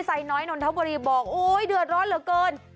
ไซน้อยนนทบุรีบอกโอ๊ยเดือดร้อนเหลือเกิน